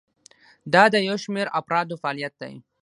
دا د یو شمیر افرادو فعالیت دی.